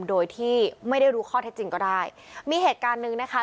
โดยที่ไม่ได้รู้ข้อเท็จจริงก็ได้มีเหตุการณ์หนึ่งนะคะ